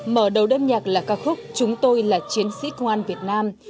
mở đầu đêm nhạc là ca khúc chúng tôi là chiến sĩ công an việt nam